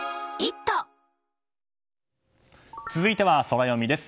続いてはソラよみです。